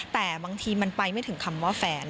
แต่บางทีมันไปไม่ถึงคำว่าแฟน